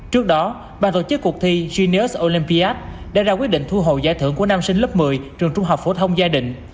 trước đó bà tổ chức cuộc thi jdis olympiad đã ra quyết định thu hồ giải thưởng của nam sinh lớp một mươi trường trung học phổ thông gia đình